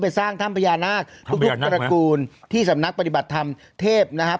สร้างถ้ำพญานาคทุกทุกตระกูลที่สำนักปฏิบัติธรรมเทพนะครับ